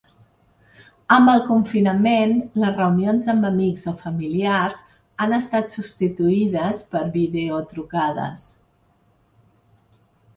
Amb el confinament, les reunions amb amics o familiars han estat substituïdes per videotrucades.